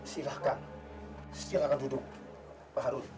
silahkan duduk pak harun